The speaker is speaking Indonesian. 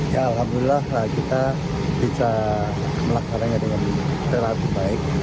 ya alhamdulillah kita bisa melaksanakannya dengan relatif baik